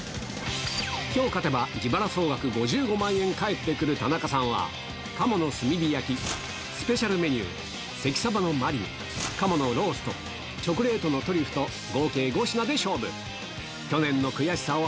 きょう勝てば自腹総額５５万円返ってくる田中さんは、鴨の炭火焼、スペシャルメニュー、関鯖のマリネ、鴨のロースト、チョコレートのトリュフと、合計５品で勝負。